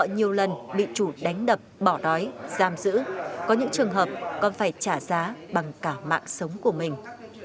nhiều lần bị chủ đánh đập bỏ đói giam giữ có những trường hợp còn phải trả giá bằng cả mạng sống của mình